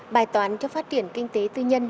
bài toán cho phát triển kinh tế tư nhân